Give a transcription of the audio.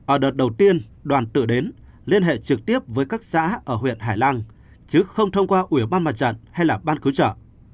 ở đợt đầu tiên đoàn tự đến liên hệ trực tiếp với các xã ở huyện hải lăng chứ không thông qua ubnd hay là ban cứu trợ